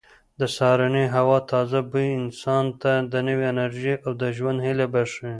د سهارنۍ هوا تازه بوی انسان ته نوې انرژي او د ژوند هیله بښي.